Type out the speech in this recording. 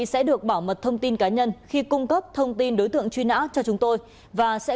sẽ được bảo mật thông tin cá nhân khi cung cấp thông tin đối tượng truy nã cho chúng tôi và sẽ